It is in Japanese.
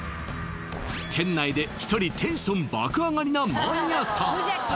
店内で一人テンション爆上がりなマニアさん